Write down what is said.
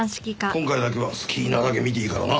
今回だけは好きなだけ見ていいからな。